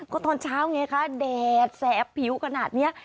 ก็ตอนเช้าไงคะแดดแสบผิวขนาดนี้